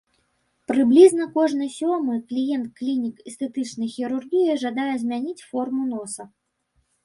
Прыблізна кожны сёмы кліент клінік эстэтычнай хірургіі жадае змяніць форму носа.